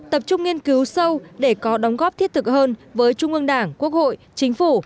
tập trung nghiên cứu sâu để có đóng góp thiết thực hơn với trung ương đảng quốc hội chính phủ